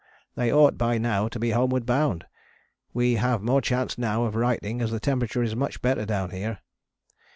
They ought by now to be homeward bound. We have more chance now of writing as the temperature is much better down here.